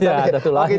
ya ada tulahnya